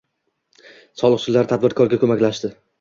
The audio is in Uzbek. Soliqchilar tadbirkorga ko‘makching